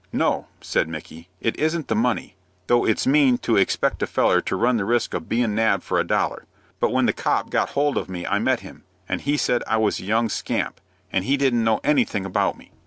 "No," said Micky; "it isn't the money, though it's mean to expect a feller to run the risk of bein' nabbed for a dollar; but when the 'copp' had got hold of me I met him, and he said I was a young scamp, and he didn't know anything about me."